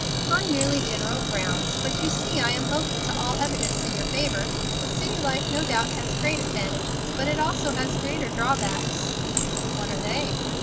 "On merely general grounds; but you see I am open to all evidence in your favor. City life no doubt has great advantages, but it also has greater drawbacks." "What are they?"